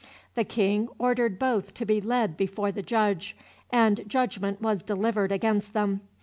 The King ordered both to be led before the judge, and judgment was delivered against them.